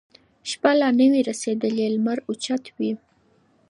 شپه لا نه وي رسېدلې لمر اوچت وي